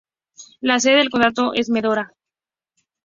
La sede del condado es Medora.